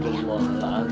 ulan sudah luar lagi